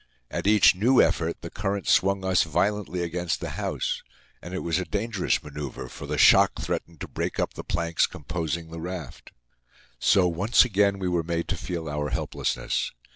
At each new effort the current swung us violently against the house. And it was a dangerous manoeuvre, for the shock threatened to break up the planks composing the raft. So once again we were made to feel our helplessness.